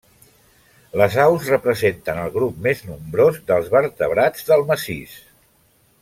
Les aus representen el grup més nombrós dels vertebrats del massís.